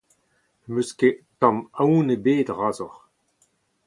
Na'm eus tamm aon ebet razoc'h.